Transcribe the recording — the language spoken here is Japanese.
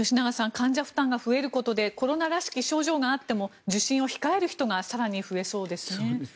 患者負担が増えることでコロナらしき症状があっても受診を控える人が更に増えそうですね。